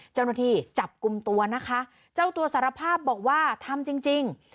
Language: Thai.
เจ้าหน้าที่จับกลุ่มตัวนะคะเจ้าตัวสารภาพบอกว่าทำจริงจริง